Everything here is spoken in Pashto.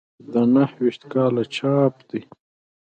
د نهه ویشت کال چاپ دی.